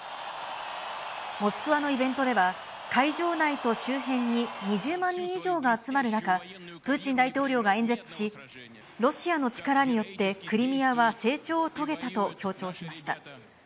モスクワのイベントでは、会場内と周辺に２０万人以上が集まる中、プーチン大統領が演説し、ロシアの力によって、クリミアは成長を遂げたと強調しました。